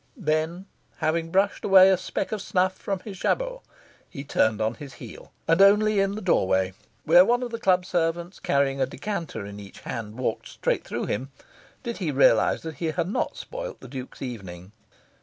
Then, having brushed away a speck of snuff from his jabot, he turned on his heel; and only in the doorway, where one of the club servants, carrying a decanter in each hand, walked straight through him, did he realise that he had not spoilt the Duke's evening.